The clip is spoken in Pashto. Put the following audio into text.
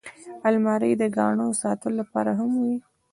الماري د ګاڼو ساتلو لپاره هم وي